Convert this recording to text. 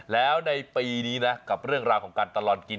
แล้วในปีนี้นะกับเรื่องราวของการตลอดกิน